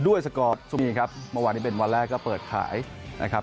ด้วยสกรแบบสบีครับมวันนี้เป็นวันแรกก็เปิดขายนะครับ